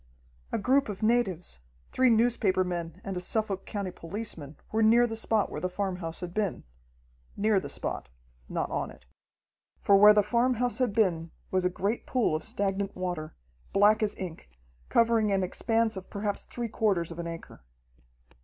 A group of natives, three newspaper men and a Suffolk County policeman were near the spot where the farmhouse had been near the spot, not on it. For where the farmhouse had been was a great pool of stagnant water, black as ink, covering an expanse of perhaps three quarters of an acre.